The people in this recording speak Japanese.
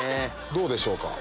どうでしょうか？